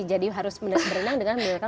jadi harus mendengarkan musik klasik